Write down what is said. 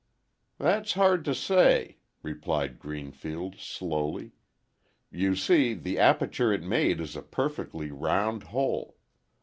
"That's hard to say," replied Greenfield, slowly. "You see the aperture it made is a perfectly round hole.